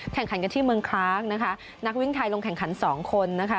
แข่งขันกันที่เมืองคล้างนะคะนักวิ่งไทยลงแข่งขันสองคนนะคะ